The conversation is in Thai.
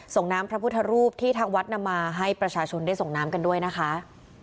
ส่งน้ำพระพุทธรูปที่ทางวัดนำมาให้ประชาชนได้ส่งน้ำกันด้วยนะคะ